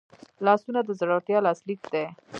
لاسونه د زړورتیا لاسلیک دی